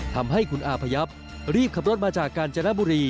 ทำให้คุณอาพยับรีบขับรถมาจากกาญจนบุรี